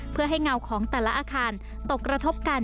เพื่อให้เงาของแต่ละอาคารตกกระทบกัน